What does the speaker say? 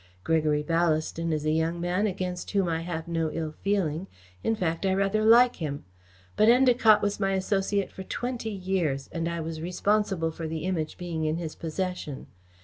Gregory Ballaston is a young man against whom I have no ill feeling in fact, I rather like him but Endacott was my associate for twenty years and I was responsible for the Image being in his possession.